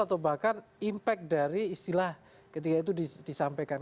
atau bahkan impact dari istilah ketika itu disampaikan